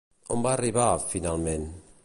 On va arribar, finalment?